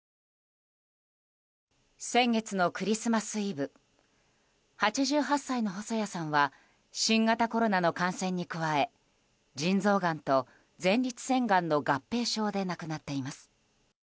先月のクリスマスイブ８８歳の細矢さんは新型コロナの感染に加え腎臓がんと前立せんがんの合併症で亡くなっています。